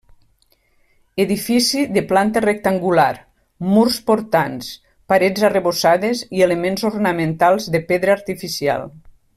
Edifici de planta rectangular, murs portants, parets arrebossades i elements ornamentals de pedra artificial.